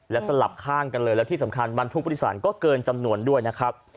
และสลับข้างกันเลยแล้วที่สำคัญบรรทุกบริษัทก็เกินจำนวนด้วยนะครับ